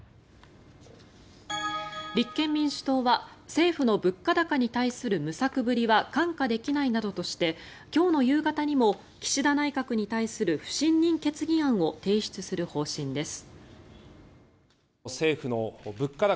立憲民主党は政府の物価高に対する無策ぶりは看過できないなどとして今日の夕方にも岸田内閣に対する不信任決議案を提出する方針です。